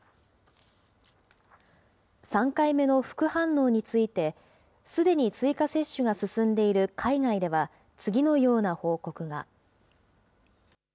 ３回目の副反応について、すでに追加接種が進んでいる海外では、次のような報告が。